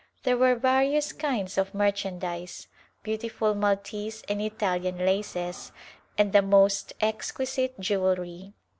There were various kinds of merchandise ; beautiful Maltese and Italian laces and the most exquisite jewelry.